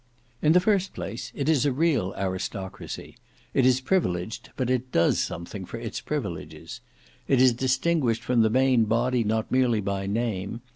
In the first place it is a real aristocracy; it is privileged, but it does something for its privileges. It is distinguished from the main body not merely by name.